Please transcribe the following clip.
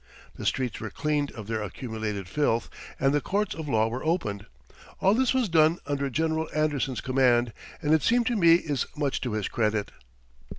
The streets were cleaned of their accumulated filth, and the courts of law were opened. All this was done under General Anderson's command, and it seems to me is much to his credit.